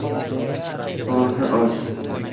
xohi os.